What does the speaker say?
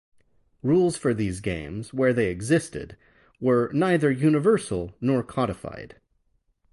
Rules for these games, where they existed, were neither universal nor codified.